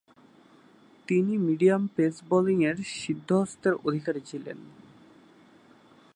তিনি medium pace বোলিংয়ে সিদ্ধহস্তের অধিকারী ছিলেন।